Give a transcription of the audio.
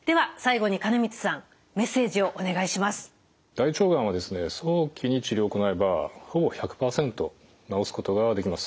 大腸がんは早期に治療を行えばほぼ１００％治すことができます。